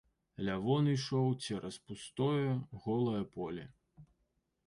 Лявон ішоў цераз пустое, голае поле.